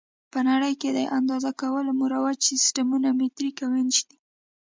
په نړۍ کې د اندازه کولو مروج سیسټمونه مټریک او ایچ دي.